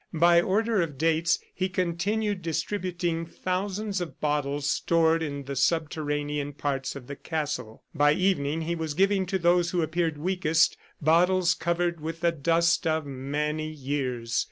By order of dates, he continued distributing thousands of bottles stored in the subterranean parts of the castle. By evening he was giving to those who appeared weakest bottles covered with the dust of many years.